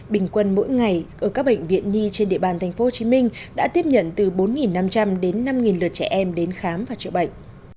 bình quân mỗi ngày ở các bệnh viện nhi trên địa bàn tp hcm đã tiếp nhận từ bốn năm trăm linh đến năm lượt trẻ em đến khám và chữa bệnh